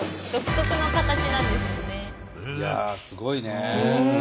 いやあすごいね。